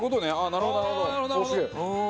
なるほどなるほど。